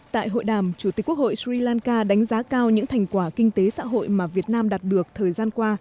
tại hội đàm chủ tịch quốc hội sri lanka đánh giá cao những thành quả kinh tế xã hội mà việt nam đạt được thời gian qua